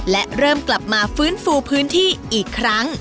และเริ่มกลับมาฟื้นฟูพื้นที่อีกครั้ง